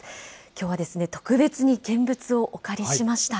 きょうはですね、特別に現物をお借りしました。